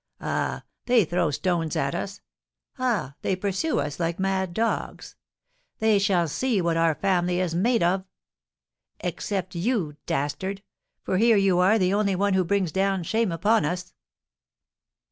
Ah, they throw stones at us! Ah, they pursue us like mad dogs! They shall see what our family is made of! Except you, dastard; for here you are the only one who brings down shame upon us!"